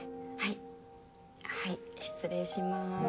はいはい失礼します。